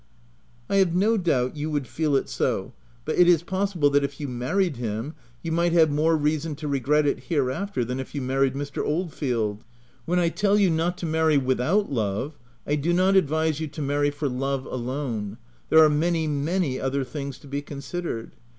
" I have no doubt you would feel it so, but it OF WILDFELL HALL. 83 is possible that if you married him, you might have more reason to regret it hereafter, than if you married Mr. Oldfield. When I tell you not to marry without love, I do not advise you to marry for love alone — there are many, many other things to be considered.